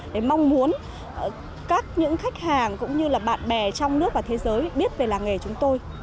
để mong muốn các khách hàng cũng như là bạn bè trong nước và thế giới biết về làng nghề chúng tôi